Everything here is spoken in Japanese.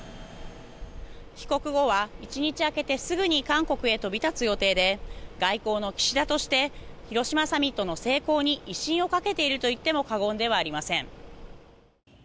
帰国後は１日空けてすぐに韓国へ飛び立つ予定で外交の岸田として広島サミットの成功に威信をかけていると言っても過言ではありません。